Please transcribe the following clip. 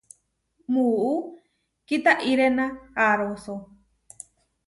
Muú kitáʼirena aaróso.